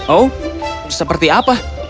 oh seperti apa